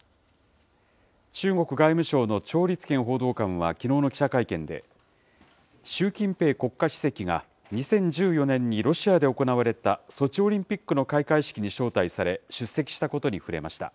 中国外務省の趙立堅報道官はきのうの記者会見で、習近平国家主席が、２０１４年にロシアで行われたソチオリンピックの開会式に招待され、出席したことに触れました。